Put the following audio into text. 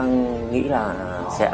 nghĩ là sẽ làm cách này